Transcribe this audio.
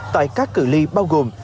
tại các cử ly bao gồm